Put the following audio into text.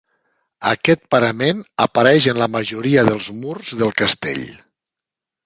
Aquest parament apareix en la majoria dels murs del castell.